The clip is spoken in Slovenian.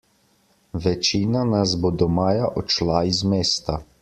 Večina nas bo do maja odšla iz mesta.